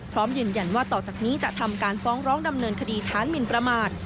พร้อมยืนยันว่าต่อจากนี้จะทำการฟ้องร้องดำเนินคดีฐานหมินประมาท